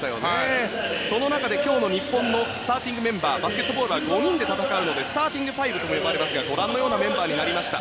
その中で今日の日本のスターティングメンバーバスケットボールは５人で戦うのでスターティングファイブとも呼ばれますがご覧のようなメンバーになりました。